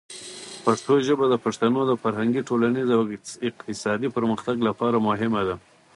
پښتو ژبه د پښتنو د فرهنګي، ټولنیز او اقتصادي پرمختګ لپاره مهمه ده.